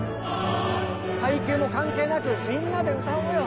階級も関係なくみんなで歌おうよ。